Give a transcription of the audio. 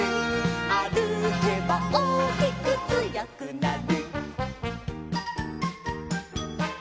「あるけばおおきくつよくなる」